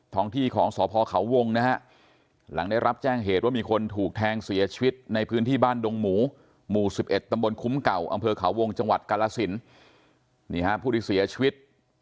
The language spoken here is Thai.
ของที่ของสพเขาวงนะฮะหลังได้รับแจ้งเหตุว่ามีคนถูกแทงเสียชีวิตในพื้นที่บ้านดงหมูหมู่๑๑ตำบลคุ้มเก่าอำเภอเขาวงจังหวัดกาลสินนี่ฮะผู้ที่เสียชีวิต